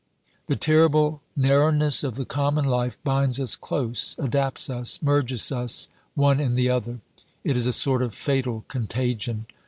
The terrible narrowness of the common life binds us close, adapts us, merges us one in the other. It is a sort of fatal contagion.